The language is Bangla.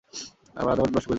আমার আধাঘণ্টা নষ্ট করে দিলে।